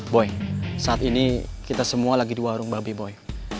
boy saat ini kita semua lagi di warung babi boy